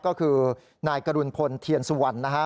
ก็คือนายกรุณพลเทียนสุวรรณนะฮะ